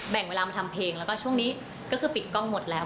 งเวลามาทำเพลงแล้วก็ช่วงนี้ก็คือปิดกล้องหมดแล้ว